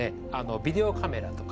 ビデオカメラとか